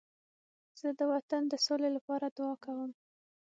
زه د وطن د سولې لپاره دعا کوم.